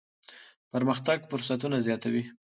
پرمختګ فرصتونه زیاتوي.